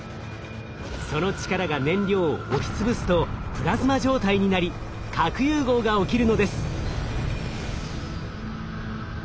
その力が燃料を押し潰すとプラズマ状態になり核融合が起きるのです。